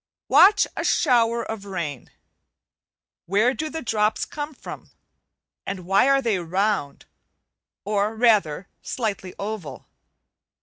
Watch a shower of rain. Where do the drops come from? and why are they round, or rather slightly oval?